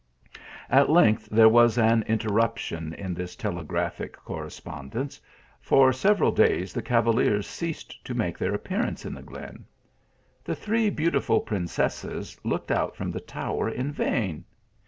At length there was an interruption in this tele graphic correspondence, for several days the cavaliers ceased to make their appearance in the glen. The three beautiful princesses looked out from the tower in vain.